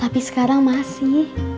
tapi sekarang masih